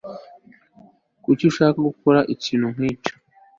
Kuki ushaka gukora ikintu nkicyo